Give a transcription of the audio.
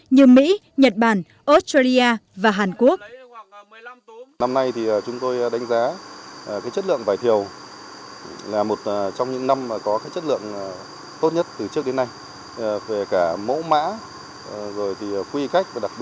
như mỹ nhật bản australia và hàn quốc